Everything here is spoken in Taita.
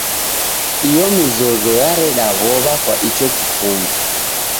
Iyo mizozo yareda w'ow'a kwa icho kifumbu.